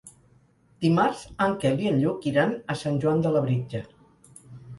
Dimarts en Quel i en Lluc iran a Sant Joan de Labritja.